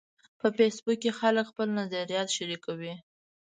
په فېسبوک کې خلک خپل نظریات شریکوي